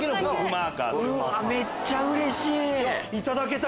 めっちゃうれしい！頂けた！